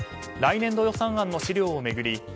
来年度予算案の資料を巡り